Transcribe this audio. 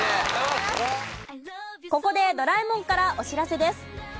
ここでドラえもんからお知らせです。